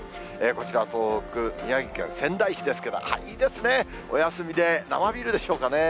こちら、東北・宮城県仙台市ですけど、いいですね、お休みで、生ビールでしょうかね。